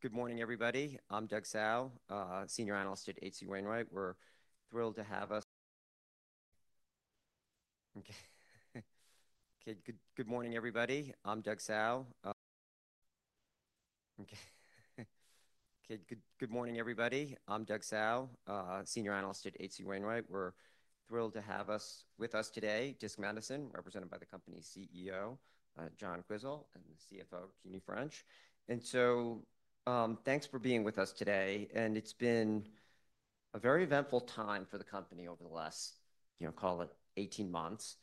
Good morning, everybody. I'm Doug Tsao, senior analyst at H.C. Wainwright. We're thrilled to have us with us today, Disc Medicine, represented by the company's CEO, John Quisel, and the CFO, Jean Franchi. Thanks for being with us today. It's been a very eventful time for the company over the last, you know, call it 18 months,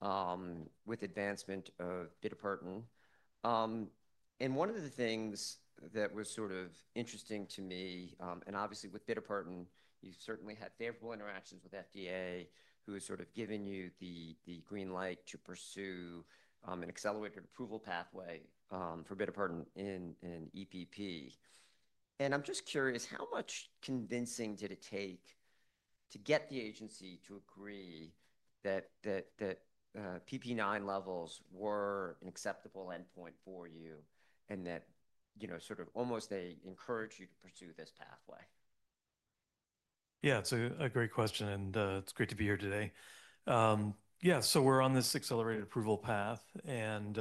with the advancement of bitopertin. One of the things that was sort of interesting to me, and obviously with bitopertin, you certainly had favorable interactions with FDA, who has sort of given you the green light to pursue an accelerated approval pathway for bitopertin in EPP. I'm just curious, how much convincing did it take to get the agency to agree that PPIX levels were an acceptable endpoint for you, and that, you know, sort of almost they encouraged you to pursue this pathway? Yeah. It's a great question, and it's great to be here today. Yeah. So we're on this accelerated approval path, and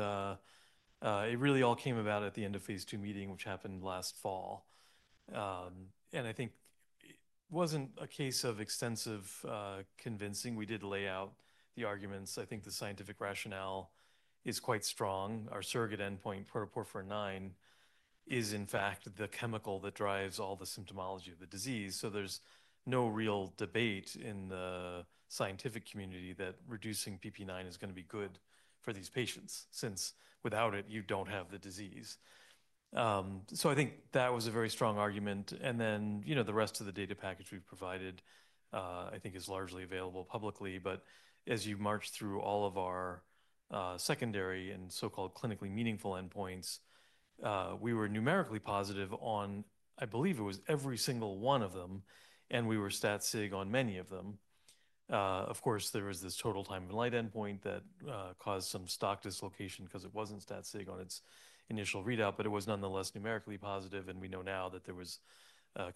it really all came about at the end of phase II meeting, which happened last fall. I think it wasn't a case of extensive convincing. We did lay out the arguments. I think the scientific rationale is quite strong. Our surrogate endpoint, protoporphyrin IX, is in fact the chemical that drives all the symptomology of the disease. There's no real debate in the scientific community that reducing PPIX is gonna be good for these patients, since without it, you don't have the disease. I think that was a very strong argument. You know, the rest of the data package we've provided, I think is largely available publicly. As you march through all of our secondary and so-called clinically meaningful endpoints, we were numerically positive on, I believe it was every single one of them, and we were stat-sig on many of them. Of course, there was this total time of light endpoint that caused some stock dislocation because it was not stat-sig on its initial readout, but it was nonetheless numerically positive. We know now that there was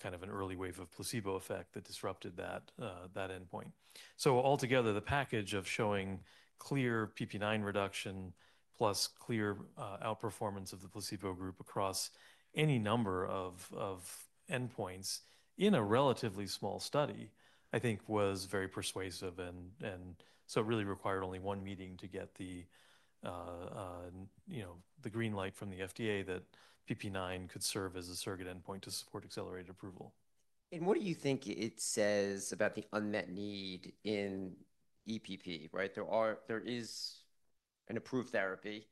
kind of an early wave of placebo effect that disrupted that endpoint. Altogether, the package of showing clear PPIX reduction plus clear outperformance of the placebo group across any number of endpoints in a relatively small study, I think was very persuasive. It really required only one meeting to get the, you know, the green light from the FDA that PPIX could serve as a surrogate endpoint to support accelerated approval. What do you think it says about the unmet need in EPP, right? There is an approved therapy,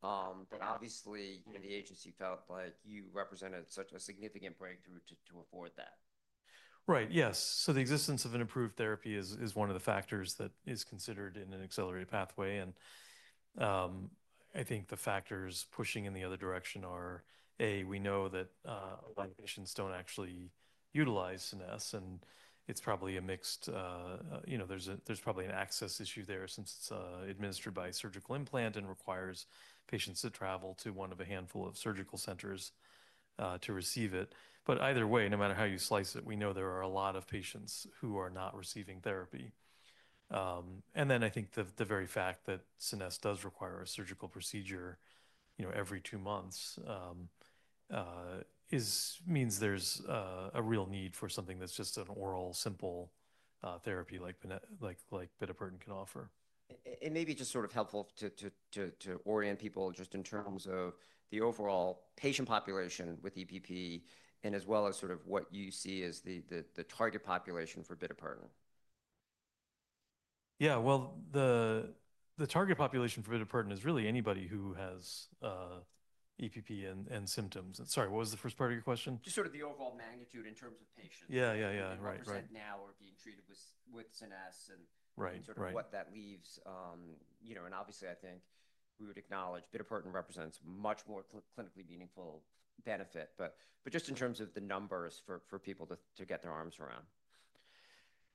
but obviously, you know, the agency felt like you represented such a significant breakthrough to afford that. Right. Yes. The existence of an approved therapy is one of the factors that is considered in an accelerated pathway. I think the factors pushing in the other direction are, A, we know that a lot of patients do not actually utilize Scenesse, and it is probably a mixed, you know, there is probably an access issue there since it is administered by a surgical implant and requires patients to travel to one of a handful of surgical centers to receive it. Either way, no matter how you slice it, we know there are a lot of patients who are not receiving therapy. I think the very fact that Scenesse does require a surgical procedure every two months means there is a real need for something that is just an oral, simple therapy like, like bitopertin can offer. Maybe just sort of helpful to orient people just in terms of the overall patient population with EPP and as well as sort of what you see as the target population for bitopertin. Yeah. The target population for bitopertin is really anybody who has EPP and symptoms. Sorry, what was the first part of your question? Just sort of the overall magnitude in terms of patients. Yeah, right. 10% now are being treated with, with Scenesse and. Right, right. What that leaves, you know, and obviously I think we would acknowledge bitopertin represents much more clinically meaningful benefit. Just in terms of the numbers for people to get their arms around.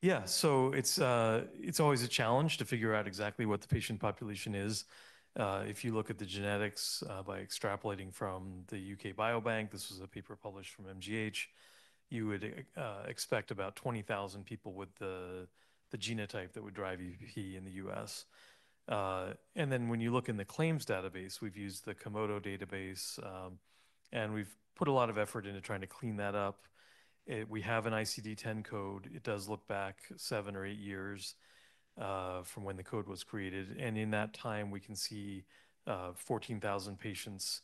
Yeah. So it's, it's always a challenge to figure out exactly what the patient population is. If you look at the genetics, by extrapolating from the UK Biobank, this was a paper published from MGH, you would expect about 20,000 people with the genotype that would drive EPP in the U.S. And then when you look in the claims database, we've used the Komodo database, and we've put a lot of effort into trying to clean that up. We have an ICD-10 code. It does look back seven or eight years, from when the code was created. In that time, we can see 14,000 patients,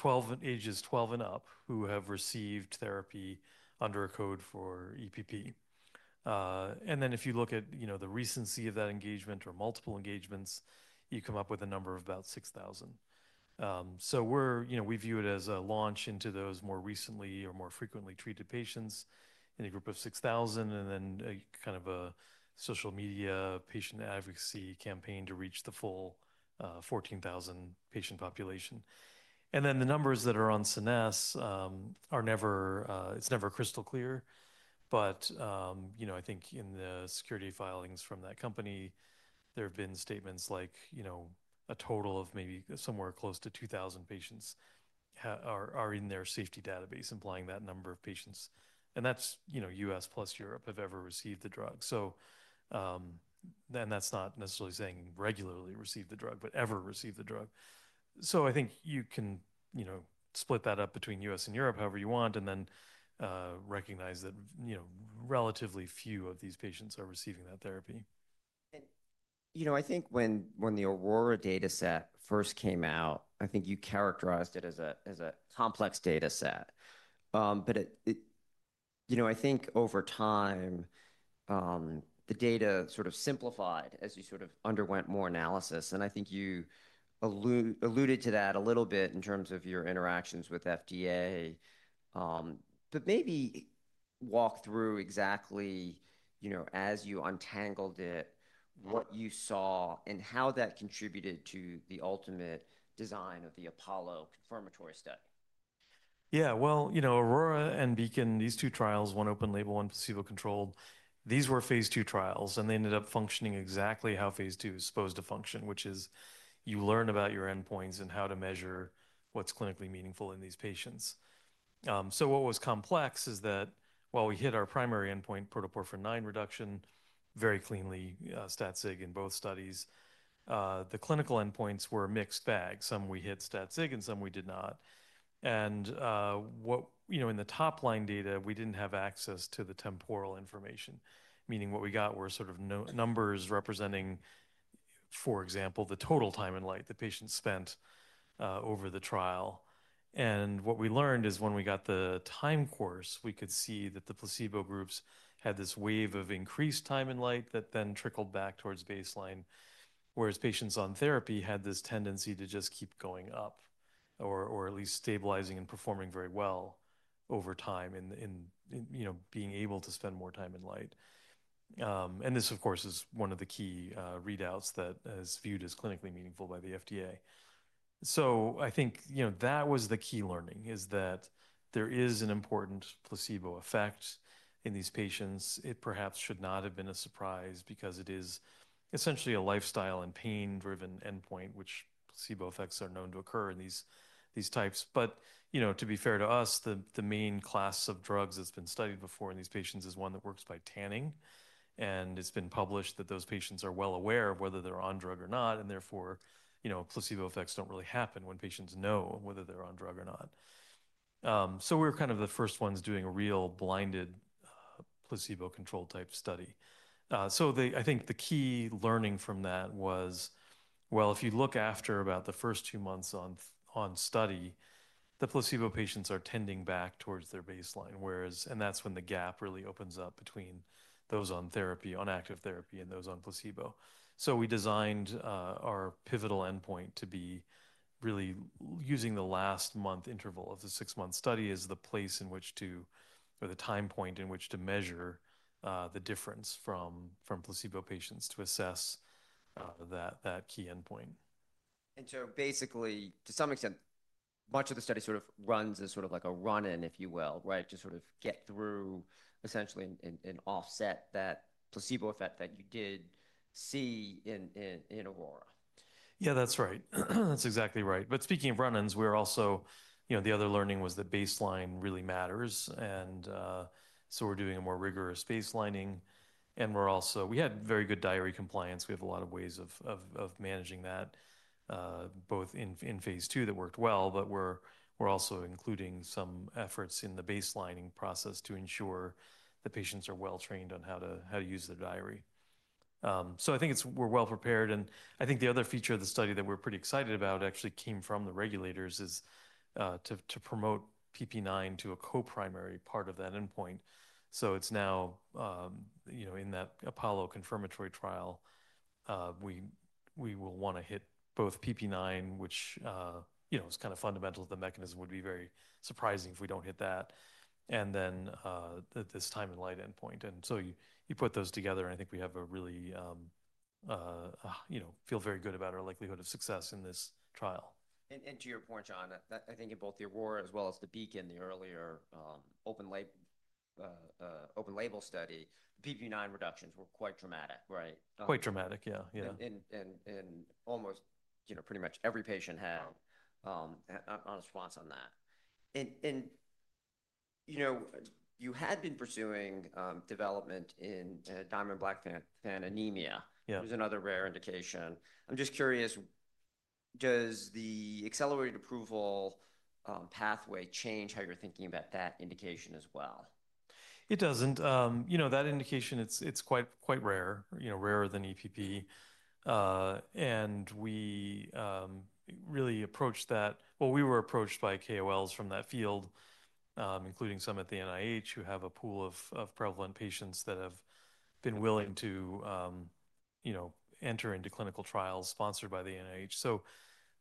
of ages 12 and up, who have received therapy under a code for EPP. And then if you look at, you know, the recency of that engagement or multiple engagements, you come up with a number of about 6,000. We're, you know, we view it as a launch into those more recently or more frequently treated patients in a group of 6,000, and then a kind of a social media patient advocacy campaign to reach the full 14,000 patient population. The numbers that are on Scenesse are never, it's never crystal clear. But, you know, I think in the security filings from that company, there have been statements like, you know, a total of maybe somewhere close to 2,000 patients are in their safety database, implying that number of patients. That's, you know, U.S. plus Europe have ever received the drug. That's not necessarily saying regularly received the drug, but ever received the drug. I think you can, you know, split that up between U.S. and Europe however you want, and then, recognize that, you know, relatively few of these patients are receiving that therapy. You know, I think when the AURORA dataset first came out, I think you characterized it as a complex dataset. It, you know, I think over time, the data sort of simplified as you sort of underwent more analysis. I think you alluded to that a little bit in terms of your interactions with FDA. Maybe walk through exactly, you know, as you untangled it, what you saw and how that contributed to the ultimate design of the APOLLO confirmatory study. Yeah. You know, AURORA and BEACON, these two trials, one open label, one placebo-controlled, these were phase II trials, and they ended up functioning exactly how phase II is supposed to function, which is you learn about your endpoints and how to measure what's clinically meaningful in these patients. What was complex is that while we hit our primary endpoint, protoporphyrin IX reduction, very cleanly, stat-sig in both studies, the clinical endpoints were a mixed bag. Some we hit stat-sig and some we did not. You know, in the top line data, we didn't have access to the temporal information, meaning what we got were sort of no numbers representing, for example, the total time in light the patient spent over the trial. What we learned is when we got the time course, we could see that the placebo groups had this wave of increased time in light that then trickled back towards baseline, whereas patients on therapy had this tendency to just keep going up or at least stabilizing and performing very well over time in, you know, being able to spend more time in light. This, of course, is one of the key readouts that is viewed as clinically meaningful by the FDA. I think, you know, that was the key learning, that there is an important placebo effect in these patients. It perhaps should not have been a surprise because it is essentially a lifestyle and pain-driven endpoint, which placebo effects are known to occur in these types. You know, to be fair to us, the main class of drugs that's been studied before in these patients is one that works by tanning. It's been published that those patients are well aware of whether they're on drug or not, and therefore, you know, placebo effects don't really happen when patients know whether they're on drug or not. We were kind of the first ones doing a real blinded, placebo-controlled type study. I think the key learning from that was, well, if you look after about the first two months on study, the placebo patients are tending back towards their baseline, whereas, and that's when the gap really opens up between those on therapy, on active therapy, and those on placebo. We designed our pivotal endpoint to be really using the last month interval of the six-month study as the place in which to, or the time point in which to measure, the difference from placebo patients to assess that key endpoint. Basically, to some extent, much of the study sort of runs as sort of like a run-in, if you will, right, to sort of get through essentially an offset that placebo effect that you did see in AURORA. Yeah, that's right. That's exactly right. Speaking of run-ins, we're also, you know, the other learning was that baseline really matters. We're doing a more rigorous baselining. We had very good diary compliance. We have a lot of ways of managing that, both in phase II that worked well. We're also including some efforts in the baselining process to ensure the patients are well trained on how to use the diary. I think we're well prepared. I think the other feature of the study that we're pretty excited about actually came from the regulators, to promote PPIX to a co-primary part of that endpoint. It's now, you know, in that APOLLO confirmatory trial, we will wanna hit both PPIX, which, you know, is kind of fundamental to the mechanism, would be very surprising if we don't hit that, and then, this time in light endpoint. You put those together, and I think we have a really, you know, feel very good about our likelihood of success in this trial. And to your point, John, I think in both the AURORA as well as the BEACON, the earlier open-label study, the PPIX reductions were quite dramatic, right? Quite dramatic. Yeah, yeah. And almost, you know, pretty much every patient had a response on that. And, you know, you had been pursuing development in Diamond-Blackfan anemia. Yeah. It was another rare indication. I'm just curious, does the accelerated approval pathway change how you're thinking about that indication as well? It doesn't. You know, that indication, it's quite, quite rare, you know, rarer than EPP. We really approached that, well, we were approached by KOLs from that field, including some at the NIH who have a pool of prevalent patients that have been willing to, you know, enter into clinical trials sponsored by the NIH.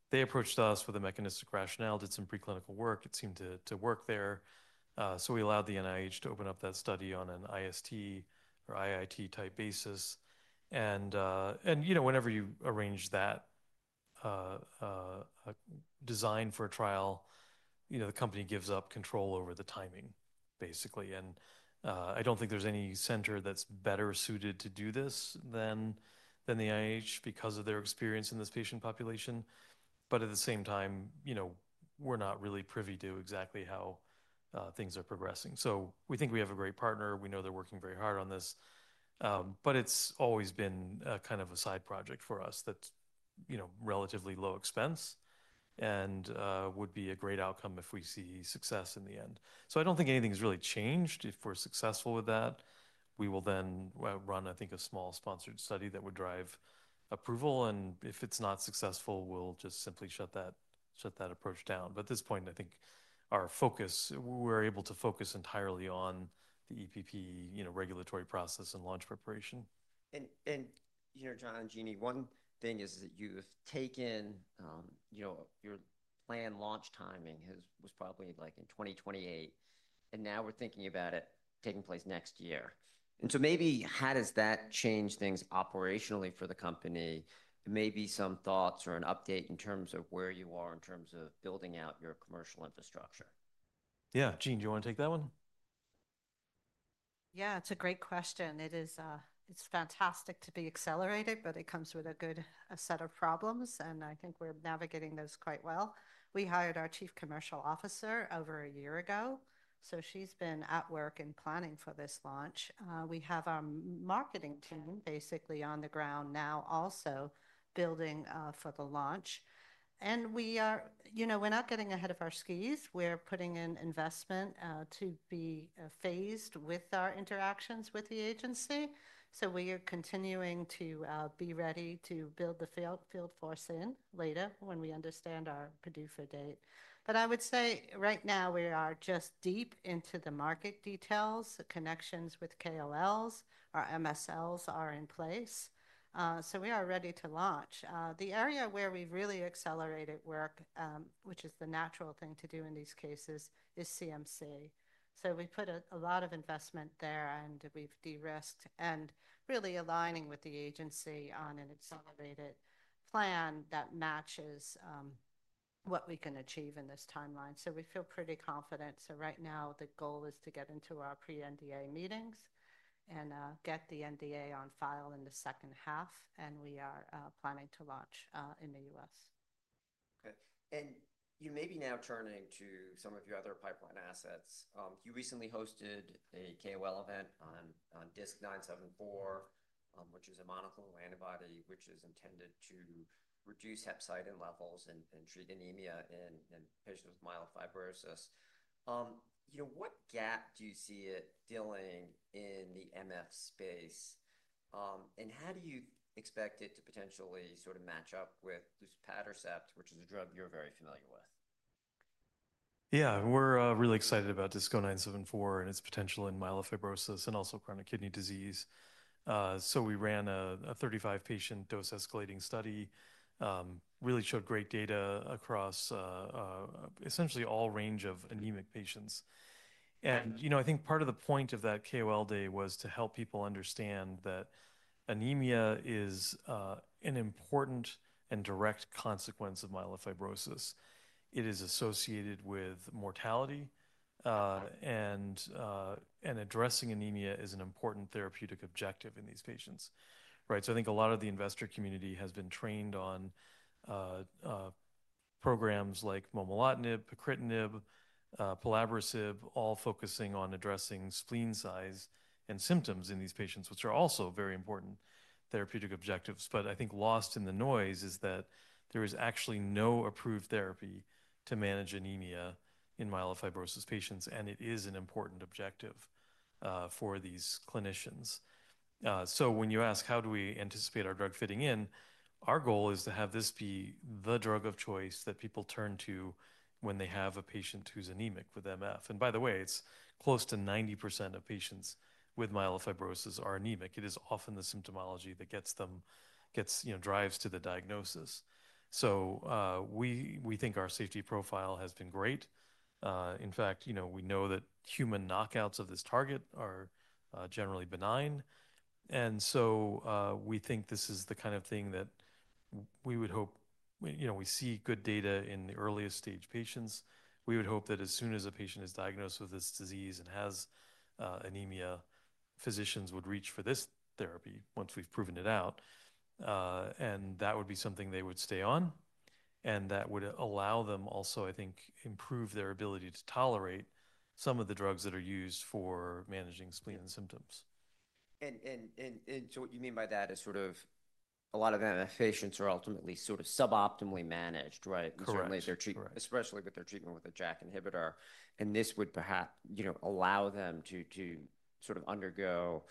They approached us with a mechanistic rationale, did some preclinical work. It seemed to work there. We allowed the NIH to open up that study on an IST or IIT type basis. You know, whenever you arrange that design for a trial, the company gives up control over the timing, basically. I don't think there's any center that's better suited to do this than the NIH because of their experience in this patient population. At the same time, you know, we're not really privy to exactly how things are progressing. We think we have a great partner. We know they're working very hard on this, but it's always been kind of a side project for us that's, you know, relatively low expense and would be a great outcome if we see success in the end. I don't think anything's really changed. If we're successful with that, we will then run, I think, a small sponsored study that would drive approval. If it's not successful, we'll just simply shut that, shut that approach down. At this point, I think our focus, we're able to focus entirely on the EPP, you know, regulatory process and launch preparation. You know, John and Jean, one thing is that you've taken, you know, your planned launch timing was probably like in 2028, and now we're thinking about it taking place next year. Maybe how does that change things operationally for the company? Maybe some thoughts or an update in terms of where you are in terms of building out your commercial infrastructure. Yeah. Jean, do you wanna take that one? Yeah, it's a great question. It is, it's fantastic to be accelerated, but it comes with a good set of problems, and I think we're navigating those quite well. We hired our Chief Commercial Officer over a year ago, so she's been at work and planning for this launch. We have our marketing team basically on the ground now also building, for the launch. We are, you know, we're not getting ahead of our skis. We're putting in investment, to be phased with our interactions with the agency. We are continuing to be ready to build the field, field force in later when we understand our PDUFA date. I would say right now we are just deep into the market details, connections with KOLs. Our MSLs are in place, so we are ready to launch. The area where we've really accelerated work, which is the natural thing to do in these cases, is CMC. We put a lot of investment there and we've de-risked and really aligning with the agency on an accelerated plan that matches what we can achieve in this timeline. We feel pretty confident. Right now the goal is to get into our pre-NDA meetings and get the NDA on file in the second half, and we are planning to launch in the U.S. Okay. And you may be now turning to some of your other pipeline assets. You recently hosted a KOL event on, on DISC-0974, which is a monoclonal antibody, which is intended to reduce hepcidin levels and, and treat anemia in, in patients with myelofibrosis. You know, what gap do you see it filling in the MF space? And how do you expect it to potentially sort of match up with luspatercept, which is a drug you're very familiar with? Yeah, we're really excited about DISC-0974 and its potential in myelofibrosis and also chronic kidney disease. We ran a 35-patient dose escalating study, really showed great data across essentially all range of anemic patients. And, you know, I think part of the point of that KOL day was to help people understand that anemia is an important and direct consequence of myelofibrosis. It is associated with mortality, and addressing anemia is an important therapeutic objective in these patients, right? I think a lot of the investor community has been trained on programs like momelotinib, pacritinib, pelabresib, all focusing on addressing spleen size and symptoms in these patients, which are also very important therapeutic objectives. I think lost in the noise is that there is actually no approved therapy to manage anemia in myelofibrosis patients, and it is an important objective for these clinicians. When you ask how do we anticipate our drug fitting in, our goal is to have this be the drug of choice that people turn to when they have a patient who's anemic with MF. By the way, it's close to 90% of patients with myelofibrosis are anemic. It is often the symptomology that gets them, you know, drives to the diagnosis. We think our safety profile has been great. In fact, you know, we know that human knockouts of this target are generally benign. We think this is the kind of thing that we would hope, you know, we see good data in the earliest stage patients. We would hope that as soon as a patient is diagnosed with this disease and has anemia, physicians would reach for this therapy once we've proven it out. That would be something they would stay on, and that would allow them also, I think, improve their ability to tolerate some of the drugs that are used for managing spleen symptoms. And so what you mean by that is sort of a lot of MF patients are ultimately sort of suboptimally managed, right? Correct. Currently they're treating, especially with their treatment with a JAK inhibitor. This would perhaps, you know, allow them to, to sort of undergo,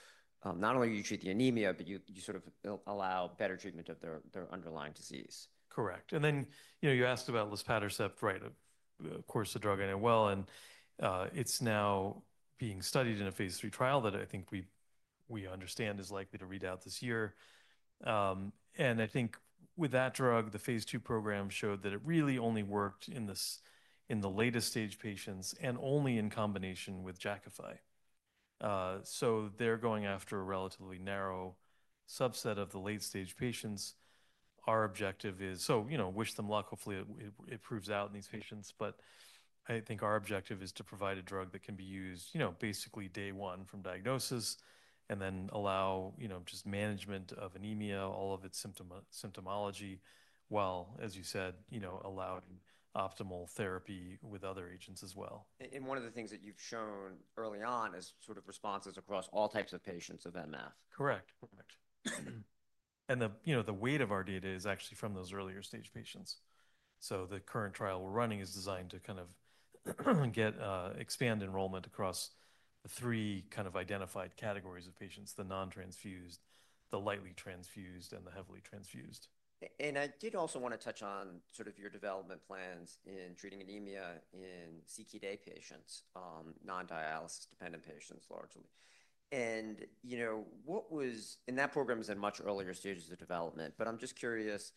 not only do you treat the anemia, but you, you sort of allow better treatment of their underlying disease. Correct. You asked about luspatercept, right? Of course, the drug I know well. It is now being studied in a phase III trial that I think we understand is likely to read out this year. I think with that drug, the phase II program showed that it really only worked in the latest stage patients and only in combination with Jakafi. They are going after a relatively narrow subset of the late stage patients. Our objective is, you know, wish them luck. Hopefully it proves out in these patients. I think our objective is to provide a drug that can be used basically day one from diagnosis and then allow just management of anemia, all of its symptomatology, while, as you said, allowing optimal therapy with other agents as well. One of the things that you've shown early on is sort of responses across all types of patients of MF. Correct. Correct. You know, the weight of our data is actually from those earlier stage patients. The current trial we're running is designed to kind of get, expand enrollment across the three kind of identified categories of patients: the non-transfused, the lightly transfused, and the heavily transfused. I did also wanna touch on sort of your development plans in treating anemia in CKD patients, non-dialysis dependent patients largely. You know, what was, and that program's in much earlier stages of development, but I'm just curious,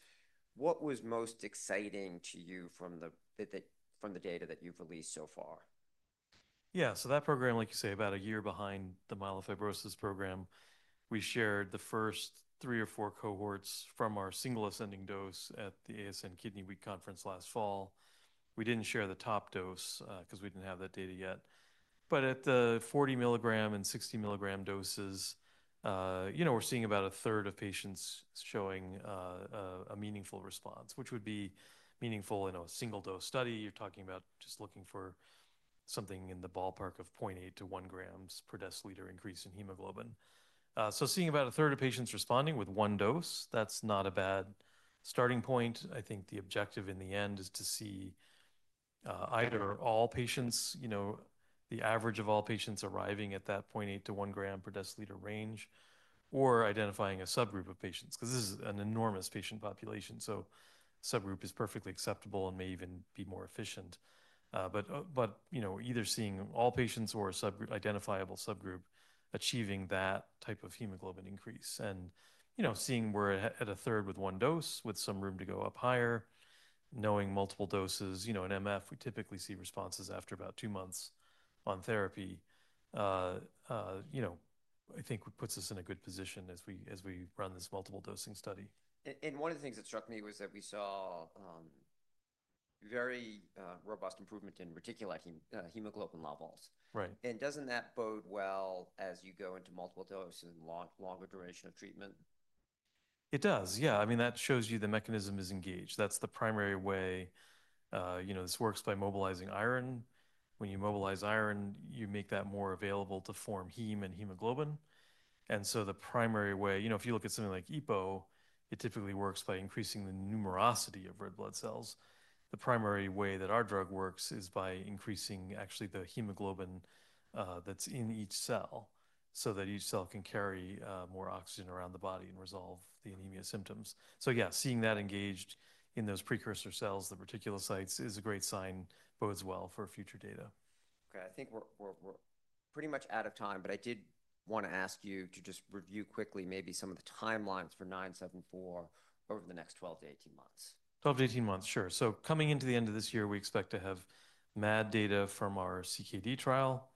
what was most exciting to you from the data that you've released so far? Yeah. So that program, like you say, about a year behind the myelofibrosis program, we shared the first three or four cohorts from our single ascending dose at the ASN Kidney Week conference last fall. We did not share the top dose, 'cause we did not have that data yet. At the 40 mg and 60 mg doses, you know, we are seeing about 1/3 of patients showing a meaningful response, which would be meaningful in a single dose study. You are talking about just looking for something in the ballpark of 0.8-1 g per deciliter increase in hemoglobin. So seeing about 1/3 of patients responding with one dose, that is not a bad starting point. I think the objective in the end is to see, either all patients, you know, the average of all patients arriving at that 0.8-1 g per deciliter range, or identifying a subgroup of patients, 'cause this is an enormous patient population. Subgroup is perfectly acceptable and may even be more efficient. You know, either seeing all patients or a subgroup, identifiable subgroup achieving that type of hemoglobin increase and, you know, seeing we're at 1/3 with one dose with some room to go up higher, knowing multiple doses, you know, in MF, we typically see responses after about two months on therapy. You know, I think puts us in a good position as we run this multiple dosing study. One of the things that struck me was that we saw very robust improvement in reticulating hemoglobin levels. Right. Doesn't that bode well as you go into multiple doses and longer duration of treatment? It does. Yeah. I mean, that shows you the mechanism is engaged. That's the primary way, you know, this works by mobilizing iron. When you mobilize iron, you make that more available to form heme and hemoglobin. The primary way, you know, if you look at something like EPO, it typically works by increasing the numerosity of red blood cells. The primary way that our drug works is by increasing actually the hemoglobin that's in each cell so that each cell can carry more oxygen around the body and resolve the anemia symptoms. Yeah, seeing that engaged in those precursor cells, the reticulocytes, is a great sign, bodes well for future data. Okay. I think we're pretty much out of time, but I did wanna ask you to just review quickly maybe some of the timelines for 0974 over the next 12 to 18 months. Twelve to eighteen months. Sure. So coming into the end of this year, we expect to have MAD data from our CKD trial.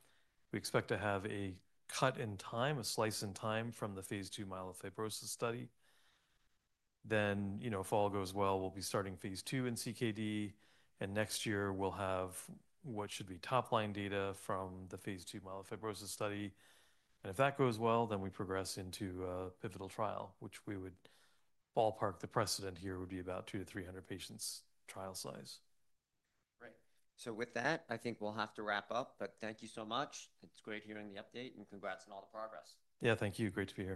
We expect to have a cut in time, a slice in time from the phase II myelofibrosis study. Then, you know, if all goes well, we'll be starting phase II in CKD. And next year we'll have what should be top line data from the phase II myelofibrosis study. If that goes well, then we progress into a pivotal trial, which we would ballpark the precedent here would be about 200-300 patients trial size. Great. With that, I think we'll have to wrap up, but thank you so much. It's great hearing the update and congrats on all the progress. Yeah, thank you. Great to be here.